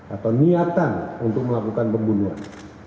atau niatan untuk melakukan pembunuhan